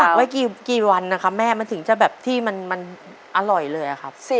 ไว้กี่วันนะคะแม่มันถึงจะแบบที่มันอร่อยเลยอะครับ